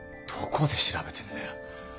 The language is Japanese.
どこで調べてんだよ。